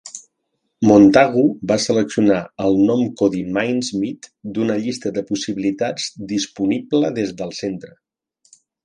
Montagu va seleccionar el nom codi Mincemeat d'una llista de possibilitats disponible des del centre.